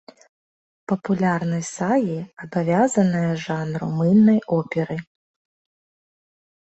Папулярнасць сагі абавязаная жанру мыльнай оперы.